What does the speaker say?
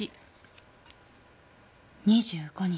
２５日。